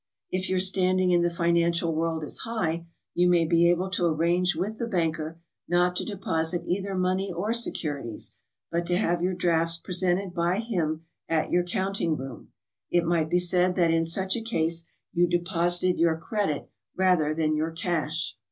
If your standing in the financial world is high, you may be able to arrange with the banker not to deposit either money or securities, but to have your drafts presented by him at your counting room; it might be said that in such a case you deposited your credit rather than your cash.